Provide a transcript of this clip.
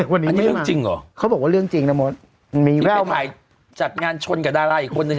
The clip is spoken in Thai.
วันนี้เรื่องจริงเหรอเขาบอกว่าเรื่องจริงนะมดมีเป้าหมายจัดงานชนกับดาราอีกคนนึง